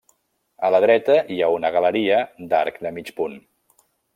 A la dreta hi ha una galeria d'arc de mig punt.